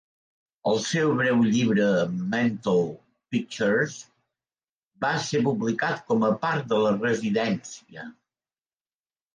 El seu breu llibre "Menthol Pictures" va ser publicat com a part de la residència.